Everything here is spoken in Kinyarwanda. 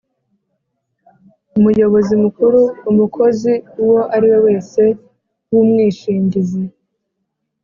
umuyobozi mukuru: umukozi uwo ari we wese w’umwishingizi